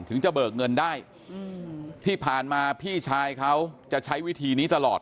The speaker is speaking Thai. ถึงจะเบิกเงินได้ที่ผ่านมาพี่ชายเขาจะใช้วิธีนี้ตลอด